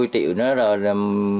năm mươi triệu nữa rồi